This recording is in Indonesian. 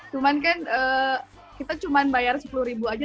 cuman kan kita cuma bayar sepuluh ribu aja